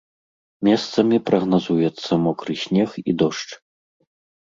Месцамі прагназуецца мокры снег і дождж.